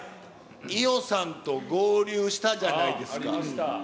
伊代さんと合流したじゃないですありました。